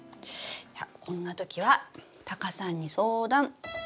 いやこんなときはタカさんに相談！